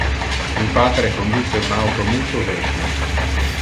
Mi patre conduce un auto multo vetule.